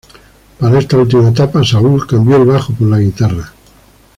Para esta última etapa Saúl cambia el bajo por la guitarra.